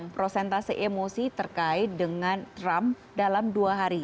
prosentase emosi terkait dengan trump dalam dua hari